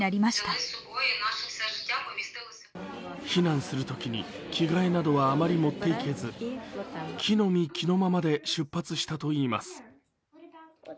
避難するときに着替えなどはあまり持っていけず着の身着のままで出発したといいます。